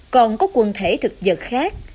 còn có quân thể thực dật khác